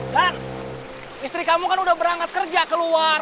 dan istri kamu kan udah berangkat kerja keluar